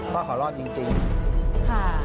มันเธอขอรอดอย่างพัก